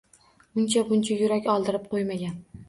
Uncha-buncha yurak oldirib qo‘ymagan.